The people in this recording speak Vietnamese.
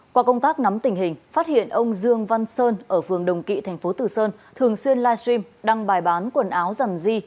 qua công tác nắm tình hình phát hiện ông dương văn sơn ở phường đồng kỵ tp tử sơn thường xuyên livestream đăng bài bán quần áo dằn di